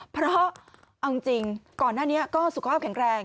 เพราะเอาจริงก่อนหน้านี้ก็สุขภาพแข็งแรง